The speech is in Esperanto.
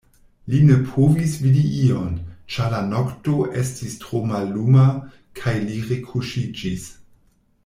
Li ne povis vidi ion, ĉar la nokto estis tro malluma, kaj li rekuŝiĝis.